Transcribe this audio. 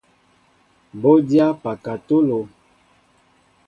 Bɔ dyá pakatolo.